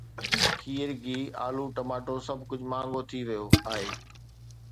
کير، گيهه، الو، ٽماٽو، سڀ ڪجهه مهانگو ٿي ويو آهي